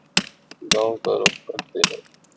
گاوں کا رخ کرتے ہیں